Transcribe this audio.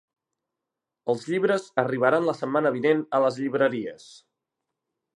Els llibres arribaran la setmana vinent a les llibreries.